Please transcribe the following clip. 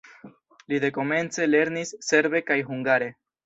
Li dekomence lernis serbe kaj hungare.